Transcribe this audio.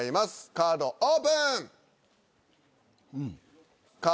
カードオープン。